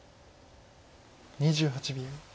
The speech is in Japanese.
２８秒。